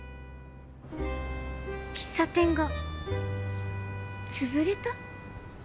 喫茶店がつぶれた？